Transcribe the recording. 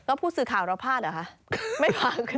แล้วผู้สื่อข่าวเราพลาดเหรอคะ